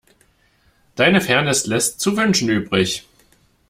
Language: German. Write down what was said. Deine Fairness lässt zu wünschen übrig.